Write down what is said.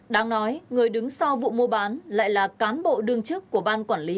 đáng nói người đứng sau vụ mua bán lại là cán bộ đương chức của ban quản lý